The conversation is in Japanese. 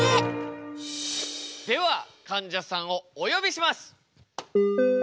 ではかんじゃさんをおよびします。